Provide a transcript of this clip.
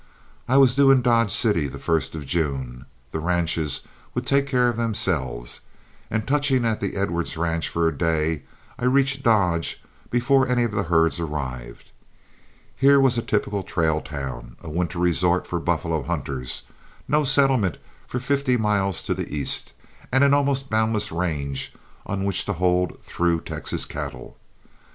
I was due in Dodge City the first of June, the ranches would take care of themselves, and touching at the Edwards ranch for a day, I reached "Dodge" before any of the herds arrived. Here was a typical trail town, a winter resort for buffalo hunters, no settlement for fifty miles to the east, and an almost boundless range on which to hold through Texas cattle.